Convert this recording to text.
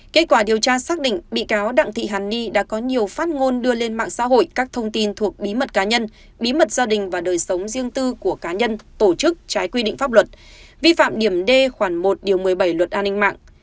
kết quả điều tra xác định bị cáo đặng thị hàn ni đã có nhiều phát ngôn đưa lên mạng xã hội các thông tin thuộc bí mật cá nhân bí mật gia đình và đời sống riêng tư của cá nhân tổ chức trái quy định pháp luật vi phạm điểm d khoản một điều một mươi bảy luật an ninh mạng